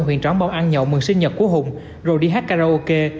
huyện tróng bảo an nhậu mừng sinh nhật của hùng rồi đi hát karaoke